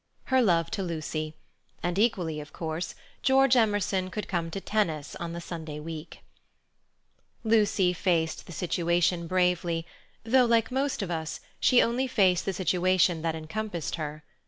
Her love to Lucy. And, equally of course, George Emerson could come to tennis on the Sunday week. Lucy faced the situation bravely, though, like most of us, she only faced the situation that encompassed her.